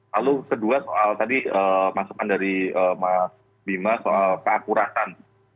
lalu kedua soal tadi masukan dari mas bima soal keakuratan